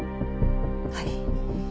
はい。